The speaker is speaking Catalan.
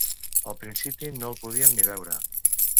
Al principi no el podíem ni veure.